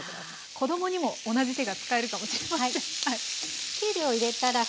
子供にも同じ手が使えるかもしれません。